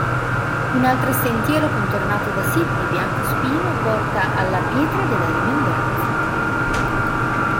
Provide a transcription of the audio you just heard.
Un altro sentiero contornato da siepi di biancospino porta alla Pietra della Rimembranza.